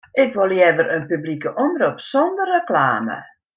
Ik wol leaver in publike omrop sonder reklame.